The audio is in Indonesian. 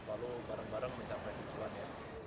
kita selalu bareng bareng mencapai tujuannya